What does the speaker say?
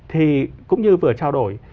thì cũng như vừa trao đổi